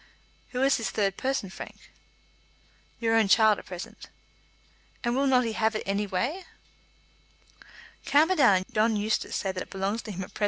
"Who is the third person, Frank?" "Your own child at present." "And will not he have it any way?" "Camperdown and John Eustace say that it belongs to him at present.